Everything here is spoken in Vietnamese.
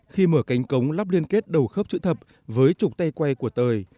khi mở cánh cống lắp liên kết đầu khớp chữ thập với trục tay quay của tời